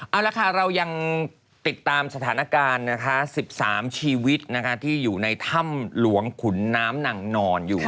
เอาและเรายังติดตามสถานการณ์๑๓ชีวิตที่อยู่ในถ้ำหลวงขุนน้ำหนังนอน